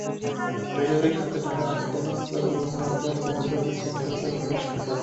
বেসরকারি খাতে ঢাকার অ্যাপোলো হাসপাতালে প্রথমবারের মতো অস্থিমজ্জা প্রতিস্থাপন হয়েছে গতকাল সোমবার।